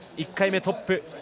１回目トップ